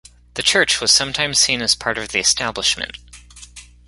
The church was sometimes seen as part of the establishment.